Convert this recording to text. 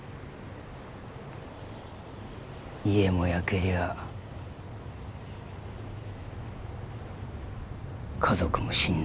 家も焼けりゃあ家族も死んだ。